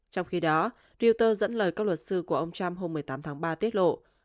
trong khi đó reuters dẫn lời các luật sư của ông trump hôm một mươi tám tháng ba tiết lộ